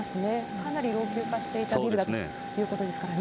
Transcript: かなり老朽化していたビルだということですからね。